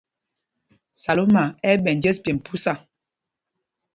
Salóma ɛ́ ɛ́ ɓɛ̄ njes pyêmb phúsa.